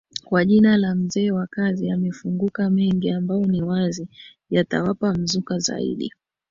kwa jina la Mzee wa Kazi amefunguka mengi ambayo ni wazi yatawapa mzuka zaidi